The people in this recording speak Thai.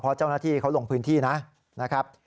เพราะเจ้าหน้าที่เขาลงพื้นที่นะครับ